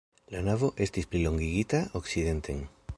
La navo estis plilongigita okcidenten.